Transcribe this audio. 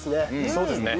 そうですね。